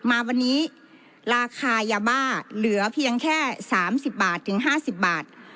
มาวันนี้ราคายาบ้าเหลือเพียงแค่๓๐บาทถึง๕๐บาท